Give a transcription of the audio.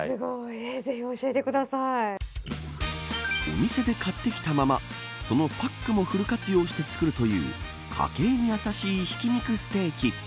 お店で買ってきたままそのパックもフル活用して作るという家計にやさしいひき肉ステーキ。